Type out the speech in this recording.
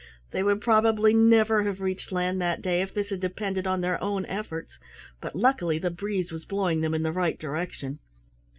They would probably never have reached land that day if this had depended on their own efforts, but luckily the breeze was blowing them in the right direction.